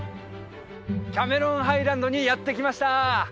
キャメロンハイランドにやって来ました